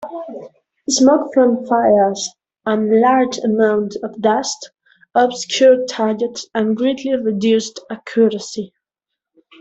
Smoke from fires and large amounts of dust obscured targets and greatly reduced accuracy.